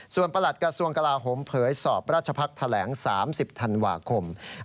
ส่วนประหลัดกระทรวงกลาโหมเผยสอบราชภักษ์แถลง๓๐ธันวาคม